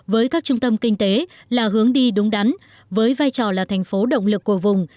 với các trung tâm kinh tế là hướng đi đúng đắn với vai trò là thành phố động lực của vùng